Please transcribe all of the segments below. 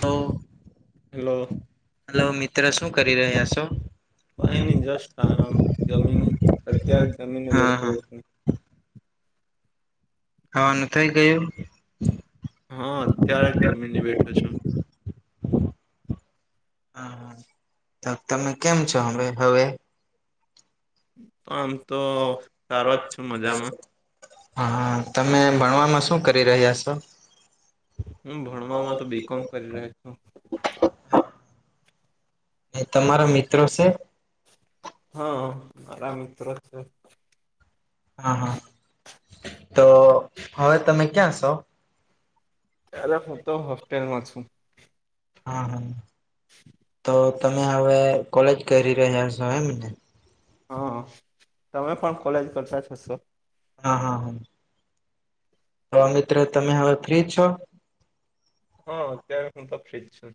તો. Hello. Hello મિત્ર, શું કરી રહ્યા છો? પાહી ની જસ્ટ આનામ જમીન અત્યારે જમીને હા હા બેઠેલ. હવાનું થઇ ગયું. હા, અત્યારે જ જમી બેઠો છું. તો તમે કેમ છો? હવે હવે. આમ તો સારો જ છ મજામાં. હા, તમે ભણવામાં શું કરી રહ્યા છો? હું ભણવામાં તો બી. કોમ કરી રહ્યો છો. તમારા મિત્રો છે. હા મારા મિત્ર છે. હા હા તો હવે તમે ક્યાં છો? અરે હું તો હોસ્ટેલમાં છું. હા હા. [inaudible] તો તમે હવે કોલેજ કરી રહ્યા છો એમને. હ તમે કોણ કોલેજ કરતા જ હશો. હા હા હા. તો મિત્રો તમે હવે ફ્રી છો? હા અત્યારે હું તો ફ્રી જ છું.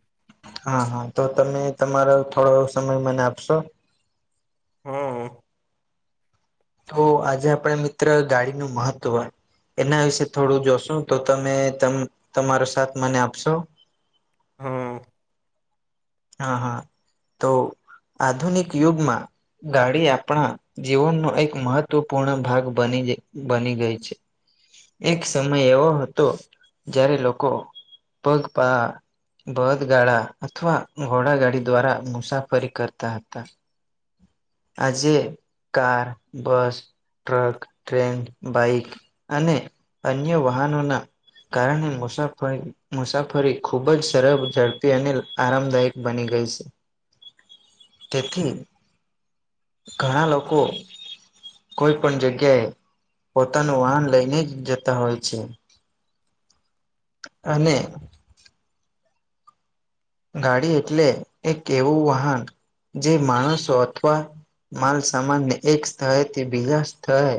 હા હા તો તમે તમારો થોડો સમય મને આપશો. હા. તો આજે આપણે મિત્ર ગાડીનું મહત્વ એના વિશે થોડું જોશો તો તમે તમારો સાથ મને આપશો? હા. હા હા તો આધુનિક યુગમાં ગાડી આપણા જીવનનો એક મહત્વપૂર્ણ ભાગ બની બની ગઈ છે. એક સમય એવો હતો જ્યારે લોકો પગપાળા બળદગાળા અથવા ઘોડાગાડી દ્વારા મુસાફરી કરતા હતા. આજે car bus truck train bike અને અન્ય વાહનોના કારણે મુસાફરી મુસાફરી ખુબ જ સરળ ઝડપી અને આરામદાયક બની ગઈ છે તેથી ઘણા લોકો કોઈ પણ જગ્યાએ પોતાનું વાહન લઈને જ જતા હોય છે. અને ગાડી એટલે એક એવું વાહન જે માણસો અથવા માલ સામાનને એક સ્થળેથી બીજા સ્થળે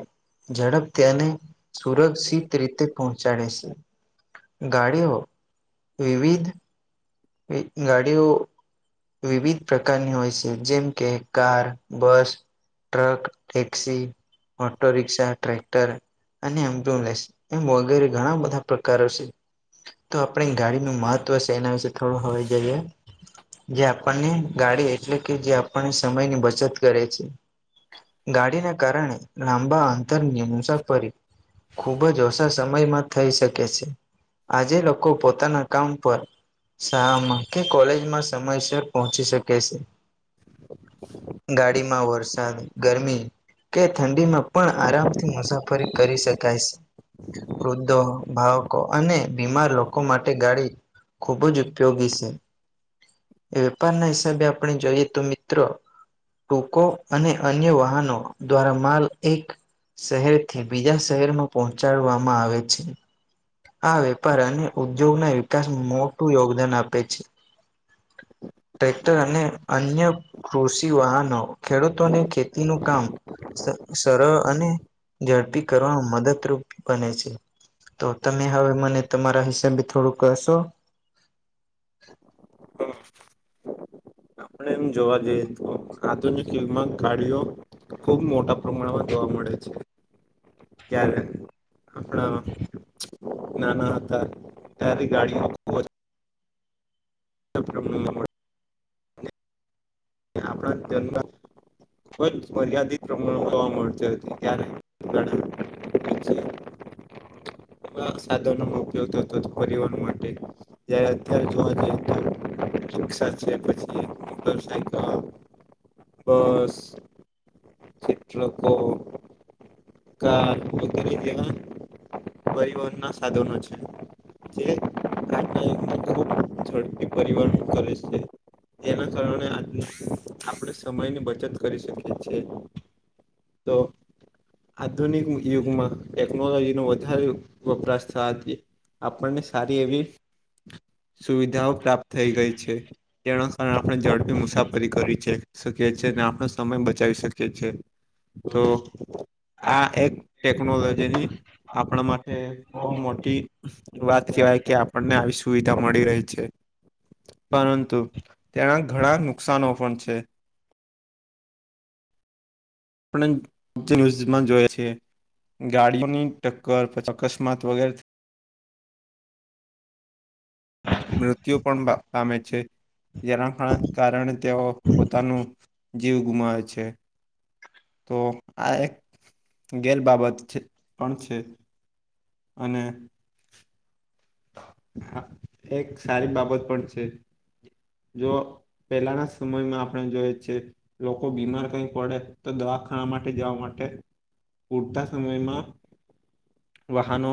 ઝડપ તેને સુરક્ષિત રીતે પહોંચાડે છે ગાડીઓ વિવિધ એ ગાડીઓ વિવિધ પ્રકારની હોય છે જેમ કે car bus truck taxi auto રિક્ષા ટ્રેક્ટર અને [unintelligible] એમ વગેરે ઘણા બધા પ્રકારો છે. તો આપણે ગાડીનું મહત્વ છે એના વિશે થોડું હવે જઈએ. જે આપણને ગાડી એટલે કે જે આપણને સમયની બચત કરે છે. ગાડીને કારણે લાંબા અંતરની મુસાફરી ખુબ જ ઓછા સમયમાં થઈ શકે છે. આજે લોકો પોતાના કામ પર શાળામાં કે કોલેજમાં સમયસર પહોંચી શકે છે. [inaudible] ગાડીમાં વરસાદ ગરમી કે ઠંડીમાં પણ આરામથી મુસાફરી કરી શકાય છે. વૃદ્ધો ભાવકો અને બીમાર લોકો માટે ગાડી ખૂબ જ ઉપયોગી છે. વેપાર ના હિસાબે આપણે જોઈએ તો મિત્રો. ટૂકો અને અન્ય વાહનો દ્વારા માલ એક શહેરથી બીજા શહેરમાં પહોંચાડવામાં આવે છે આ. અને ઉદ્યોગ ના વિકાસ મોટું યોગદાન આપે છે. ટ્રેક્ટર અને અન્ય કૃષિ વાહનો ખેડૂતોને ખેતીનું કામ. સરળ અને ઝડપી કરવાવામાં મદદરૂપ બને છે. તો તમે હવે મને તમારા હિસાબે થોડું કહશો? [unintelligible] આપણે એમ જોવા જઈએ તો, આધુનિકમાં યુગ માં ગાડીઓ ખુબ મોટા પ્રમાણમાં જોવા મળે છે. ત્યારે આપણા ખૂબ નાના હતા, ત્યારે ગાડીઓ ખૂબ [unintelligible] આપણા જ [unintelligible] ખૂબ જ મર્યાદિત પ્રમાણ માં જોવા મળતી હતી ત્યારે. સાધનો ઉપયોગ થતો. જ્યારે અત્યારે જોવા જઈએ તો શિક્ષા છે, પછી મુઘલ સાહિત્ય. બસ. ચિત્ર તો. વા પરિવહન પરિવહન ના સાધનો છે. જે ખૂબ ઝડપી પરિવર્તન કરે છે. એના કારણે આપણે સમયની બચત કરી શકીએ છીએ. તો. આધુનિક યુગમાં ટેકનોલોજી નો વધારે વપરાશ થાય. આપણને સારી એવી સુવિધાઓ પ્રાપ્ત થઈ ગઈ છે. તેના કારણે આપણે ઝડપી મુસાફરી કરી શકીએ છીએ, અને આપનો સમય બચાવી શકીએ છીએ. તો આ એક ટેકનોલોજીની આપણા માટે બહુ મોટી વાત કેહેવાય કે, આપણને આવી સુવિધા મળી રહી છે. પરંતુ તેના ઘણા નુકસાનો પણ છે. આપણે ન્યૂઝમાં જોએ છે, ગાડીઓની ટક્કર પછી અકસ્માત વગે મૃત્યુ પણ પામે છે. જેના કારણે તેઓ પોતાનું જીવ ગુમાવે છે. તો આ એક ગેર બાબત છે, પણ છે. અને. હા, એક સારી બાબત પણ છે. જો પહેલાના સમયમાં આપણે જોઈએ છેએ. લોકો બીમાર કઈ પડે, તો દવાખાવા માટે જવા માટે. પૂરતા સમયમાં. વાહનો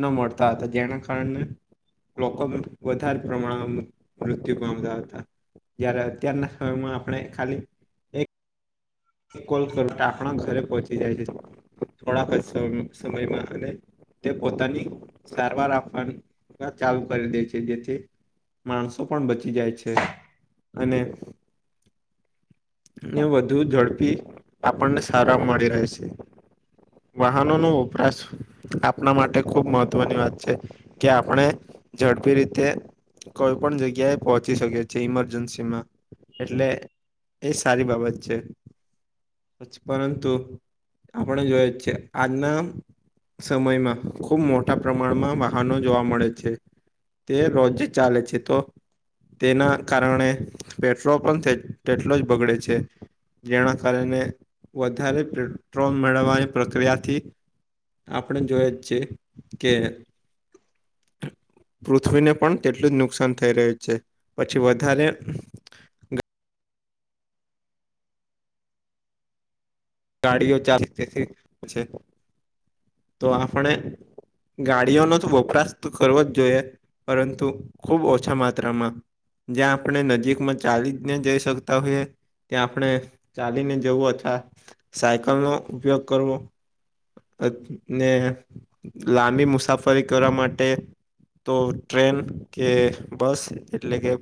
ન મળતા હતા, જેના કારણે લોકો વધારે પ્રમાણમાં મૃત્યુ મ હતા, જ્યારે અત્યારના સમયમાં આપણે ખાલી એક કોલ ખરું, ટાકણા ઘરે પહોંચી જાય છે, થોડાક જ સમયમાં અને તે પોતાની સારવાર આપવાની ચાલુ કરી દે છે, જેથી માણસો પણ બચી જાય છે, અને ને વધુ ઝડપી આપણને સારવાર મળી રહે છે. વાહનો નો વપરાશ આપણા માટે ખુબ મહત્વની વાત છે. કે આપણે ઝડપી રીતે કોઈ પણ જગ્યાએ પહોંચી શકે છે ઇમરજન્સી માં એટલે એ સારી બાબત છે પરંતુ આપણે જોય જ છે આજના સમયમાં ખુબ મોટા પ્રમાણમાં વાહનો જોવા મળે છે. તે રોજે ચાલે છે તો તેના કારણે પેટ્રોલ પણ તેટ તેટલો જ બગડે છે જેના કારણે વધારે પેટ્રોલ મેળવવાની પ્રક્રિયાથી આપણે જોય જ છીએ કે પૃથ્વીને પણ તેટલું જ નુકસાન થઈ રહ્યું છે પછી વધારે અ ગાડીઓ ચાલતી તી છે આપણે ગાડીઓનો તો વપરાશ તો કરવો જ જોઈએ પરંતુ ખુબ ઓછા માત્રામાં જ્યાં આપણે નજીકમાં ચાલી ને જઈ શકતા હોઈએ ત્યાં આપણે ચાલીને જવું અથવા સાયકલનો ઉપયોગ કરવો અ ને લાંબી મુસાફરી કરવા માટે તો ટ્રેન કે બસ એટલે કે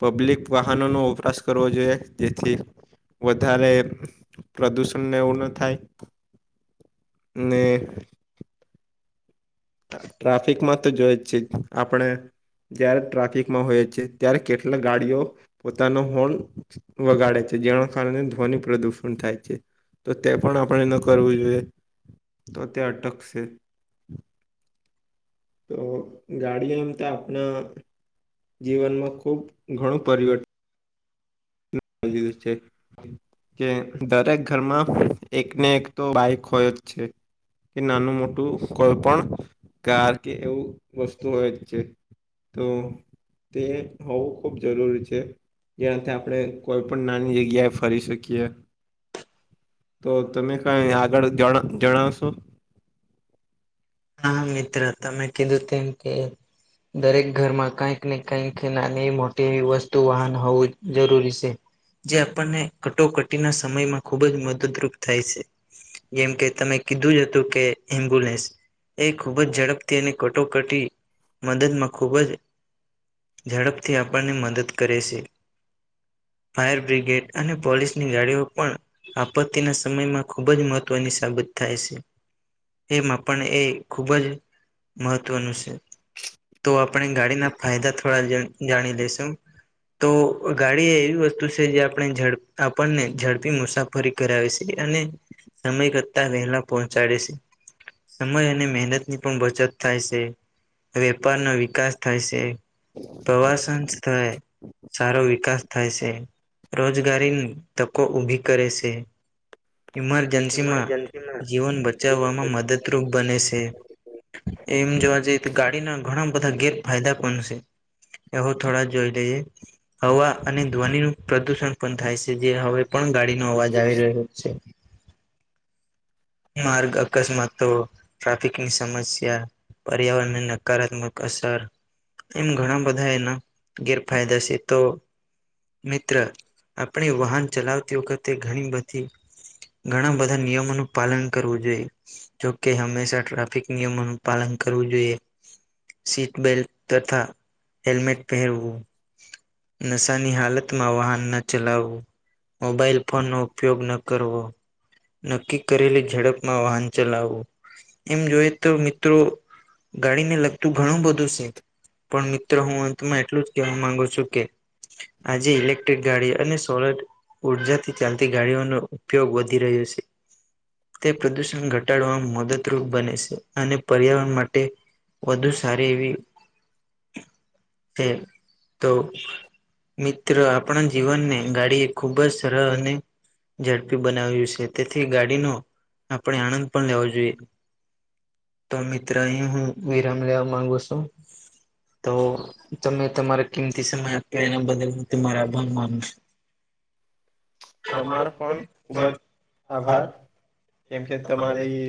પબ્લિક વાહનો નો વપરાશ કરવો જોઈએ જેથી વધારે પ્રદૂષણ ન થાય અને ટ્રાફિકમાં તો જોઈ જ છે આપણે જ્યારે ટ્રાફિકમાં હોય છે ત્યારે કેટલા ગાડીઓ પોતાનો હોન વગાડે છે જેના કારણે ધ્વનિ પ્રદુષણ થાય છે. તો તે પણ આપણે ન કરવું જોઈએ તો તે અટકશે તો ગાડી એમ તો આપણા જીવનમાં ખુબ ઘણું પરિવર્તન [unintelligible] કે દરેક ઘરમાં એકને એક તો બાઈક હોય જ છે. કે નાનું મોટું કોઈ પણ કાર કે એવું વસ્તુ હોય જ છે તો તે હોવું ખૂબ જરૂરી છે જેનાથી આપણે કોઈ પણ નાની જગ્યાએ ફરી શકીએ તો તમે કંઈ આગળ જણ જણાવશો હા મિત્ર તમે કીધું તેમ કે દરેક ઘરમાં કંઈક ને કઈક નાની મોટી વસ્તુ વાહન હોવું જરૂરી છે. જે આપણને કટોકટીના સમયમાં ખુબ જ મદદરૂપ થાય છે. જેમ કે તમે કીધું જ હતું કે એમ્બ્યુલન્સ એ ખૂબ જ ઝડપથી અને કટોકટી મદદમાં ખૂબ જ ઝડપથી આપણને મદદ કરે છે. ફાયર બ્રિગેડ અને પોલીસની ગાડીઓ પણ આપત્તિના સમયમાં ખૂબ જ મહત્વની સાબિત થાય છે એમાં પણ એ ખુબ જ મહત્વનું છે. તો આપણે ગાડીના ફાયદા થોડા જા જાણી લેશું તો ગાડી એવી વસ્તુ છે જે આપણેડ આપણને ઝડપી મુસાફરી ફરી કરાવે છે અને સમય કરતા વહેલા પહોંચાડે છે સમય અને મહેનત ની પણ બચત થાય છે વેપારનો વિકાસ થાય છે પ્રવાસન સ્થળે સારો વિકાસ થાય છે રોજગારીની તકો ઊભી કરે છે. ઇમરજન્સીમાં ઇમરજન્સીમાં જીવન બચાવવામાં મદદરૂપ બને છે. એમ જોવા જઈ તો ગાડીના ઘણા બધા ગેરફાયદા પણ છે. એહો થોડા જોઈ લઈએ. હવા અને ધ્વનિનું પ્રદુષણ પણ થાય છે, જે હવે પણ ગાડીનો અવાજ આવી રહ્યો છે. માર્ગ અકસ્માતો, ટ્રાફિક કી સમસ્યા પર્યાવરણ ને, નકારાત્મક અસર એમ ઘણા બધા એના ગેરફાયદા છે, તો મિત્ર, આપણે વાહન ચલાવતી વખતે ઘણી બધી ઘણા બધા નિયમોનું પાલન કરવું જોઈએ, જો કે હંમેશા ટ્ર નિયમોનું પાલન કરવું જોઈએ, સીટ બેલ્ટ તથા હેલ્મેટ પહેરવું, નશા ની હાલતમાં વાહન ન ચલાવવું. મોબાઈલ ફોન નો ઉપયોગ ન કરવો. નક્કી કરેલી ઝડપમાં વાહન ચલાવવું. એમ જોઈ તો મિત્રો, ગાડીને લગતું ઘણું બધું છે. પણ મિત્રો, હું અંતમાં એટલું જ કેહેવા માંગુ છું કે આજે ઇલેક્ટ્રિક ગાડી અને સોલર ઉર્જાથી ચાલતી ગાડીઓનો ઉપયોગ વધી રહ્યો છે. તે પ્રદૂષણ ઘટાડવાવામાં મદદરૂપ. બને છે, અને પર્યાવરણ માટે વધુ સારી એવી હ, તો. મિત્રો, આપણા જીવનને ગાડી એ ખુબ જ સરળ અને ઝડપી બનાવ્યું છે, તેથી ગાડીનો આપણે આનંદ પણ લેવો જોઈએ. તો મિત્ર, અહીં હું વિરામ લેવા માંગુ છું, તો તમે તમારે કિંમતી સમય આપ્યો, એના બદલ હું તે મારા આભાર માનું છું. તમારો પણ ખુબ જ આભાર, કેમ કે તમારે તમારી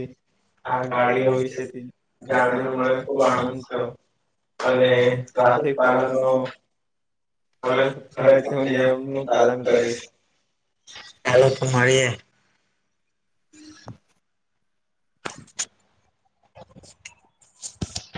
આ ગાડીઓ વિશેથી જાણીને, મને ખુબ આનંદ થયો. અને ટ્રાફિક પાલન નો નિયમનું પાલન કરીશ. હાલરી. [unintelligible] [unintelligible]